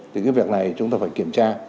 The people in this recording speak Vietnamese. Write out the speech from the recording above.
thì cái việc này chúng ta phải kiểm tra